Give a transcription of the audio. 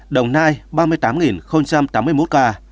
đồng nai ba mươi tám tám mươi một ca